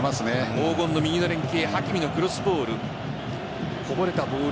黄金の右の連携ハキミのクロスボール。